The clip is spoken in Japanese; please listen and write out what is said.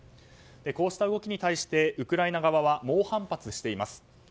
こうした動きに対してウクライナ側は猛反発しています。